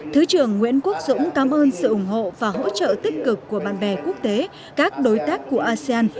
thứ trưởng nguyễn quốc dũng cảm ơn sự ủng hộ và hỗ trợ tích cực của bạn bè quốc tế các đối tác của asean